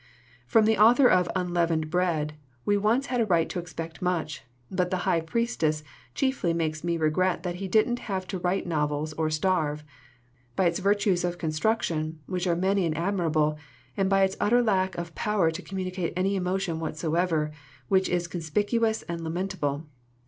"From the author of Unleavened Bread we once had a right to expect much. But The High Priestess chiefly makes me regret that he didn't have to write novels or starve; by its virtues of construction, which are many and admirable, and by its utter lack of power to communicate any emotion whatsoever, which is conspicuous and lamentable.